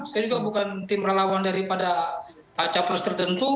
saya juga bukan tim lelawan daripada capros terdentu